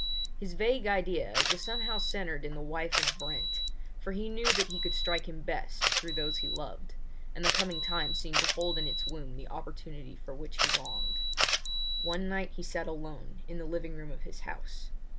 His vague idea was somehow centred in the wife of Brent, for he knew that he could strike him best through those he loved, and the coming time seemed to hold in its womb the opportunity for which he longed. One night he sat alone in the living room of his house.